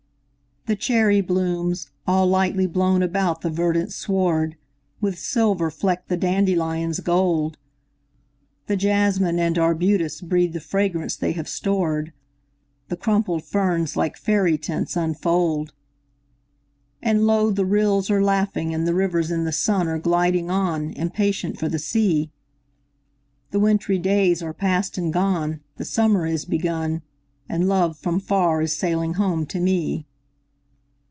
The cherry blooms, all lightly blown about the verdant sward, With silver fleck the dandelion's gold; The jasmine and arbutus breathe the fragrance they have stored; The crumpled ferns, like faery tents, unfold. And low the rills are laughing, and the rivers in the sun Are gliding on, impatient for the sea; The wintry days are past and gone, the summer is begun, And love from far is sailing home to me!